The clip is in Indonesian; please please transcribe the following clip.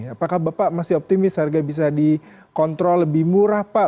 apakah bapak masih optimis harga bisa dikontrol lebih murah pak